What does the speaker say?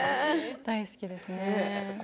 大好きです。